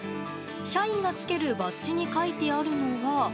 社員がつけるバッジに書いてあるのは。